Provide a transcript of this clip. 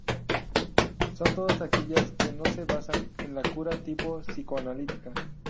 Son todas aquellas que no se basan en la cura tipo psicoanalítica.